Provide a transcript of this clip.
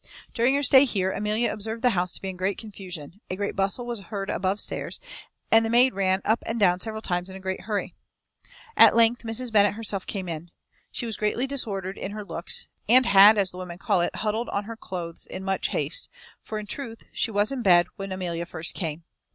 During her stay here, Amelia observed the house to be in great confusion; a great bustle was heard above stairs, and the maid ran up and down several times in a great hurry. At length Mrs. Bennet herself came in. She was greatly disordered in her looks, and had, as the women call it, huddled on her cloaths in much haste; for, in truth, she was in bed when Amelia first came.